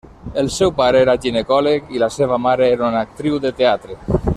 El seu pare era ginecòleg i la seva mare era una actriu de teatre.